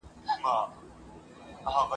دلسوزي د جانان نسته